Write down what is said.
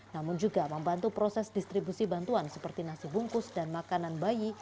namun juga membantu proses distribusi bantuan seperti nasi bungkus dan makanan bayi